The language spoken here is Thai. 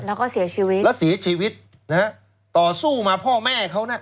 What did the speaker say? แล้วก็เสียชีวิตแล้วเสียชีวิตนะฮะต่อสู้มาพ่อแม่เขาน่ะ